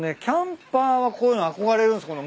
キャンパーはこういうの憧れるんす。